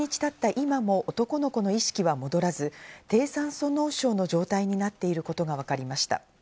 今も男の子の意識は戻らず、低酸素脳症の状態になっていることがわかりました。